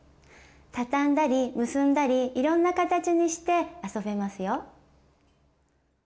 たたんだり結んだりいろんな形にして遊べますよ。